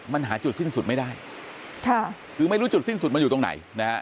มันหาจุดสิ้นสุดไม่ได้ค่ะคือไม่รู้จุดสิ้นสุดมันอยู่ตรงไหนนะฮะ